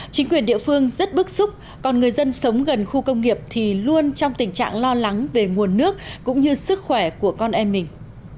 chính quyền địa phương rất bức xúc còn người dân sống gần khu công nghiệp thì luôn trong tình trạng lo lắng về nguồn nước cũng như sức khỏe của con em mình